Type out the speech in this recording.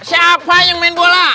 siapa yang main bola